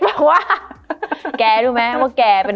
มันทำให้ชีวิตผู้มันไปไม่รอด